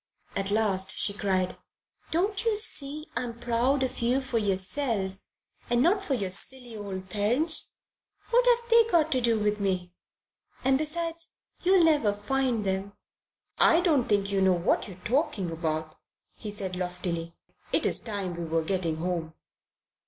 At last she cried: "Don't you see I'm proud of you for yourself and not for your silly old parents? What have they got to do with me? And besides, you'll never find them." "I don't think you know what you're talking about," he said loftily. "It is time we were getting home."